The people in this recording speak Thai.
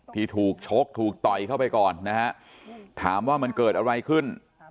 ที่ถูกชกถูกต่อยเข้าไปก่อนนะฮะถามว่ามันเกิดอะไรขึ้น